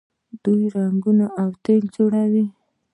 دوی رنګونه او تیل جوړوي.